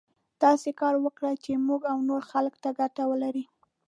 داسې کار وکړو چې موږ او نورو خلکو ته ګټه ولري.